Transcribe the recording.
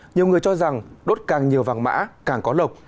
nhiều người cho rằng đốt càng nhiều vàng mã càng có lộc